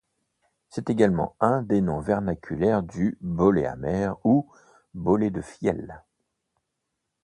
C'est également un des noms vernaculaires du bolet amer, ou bolet de fiel.